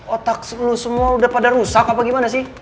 otak semua udah pada rusak apa gimana sih